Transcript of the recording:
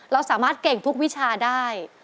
เราสามารถเก่งทุกวิชาได้